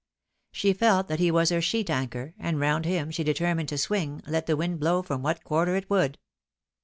She felt that he was her sheet anchor, and round him she determined to swing, let the wind blow from what quarter it would.